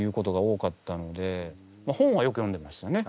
本はよく読んでましたね。